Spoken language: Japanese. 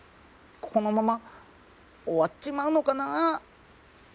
このまま終わっちまうのかなあ？